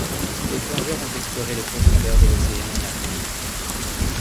Les plongeurs ont exploré les profondeurs de l'océan en apnée.